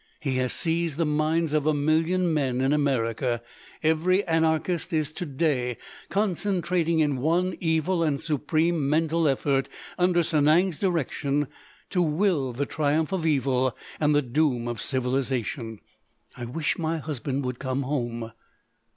He has seized the minds of a million men in America. Every anarchist is to day concentrating in one evil and supreme mental effort, under Sanang's direction, to will the triumph of evil and the doom of civilisation.... I wish my husband would come home."